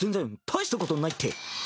大したことないって。